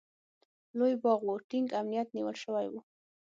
لوی باغ و، ټینګ امنیت نیول شوی و.